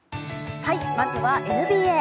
まずはＮＢＡ。